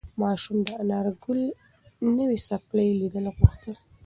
ماشوم د انارګل نوې څپلۍ لیدل غوښتل.